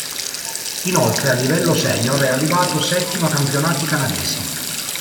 Inoltre, a livello senior è arrivato settimo ai campionati canadesi.